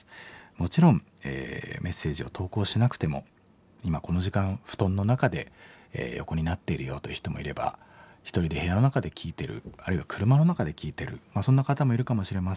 もちろんメッセージを投稿しなくても今この時間布団の中で横になっているよという人もいれば１人で部屋の中で聴いてるあるいは車の中で聴いてるそんな方もいるかもしれません。